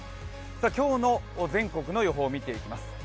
今日の全国の予報を見ていきます。